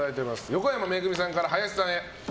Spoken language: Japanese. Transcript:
横山めぐみさんから林さんへ。